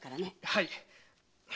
はい。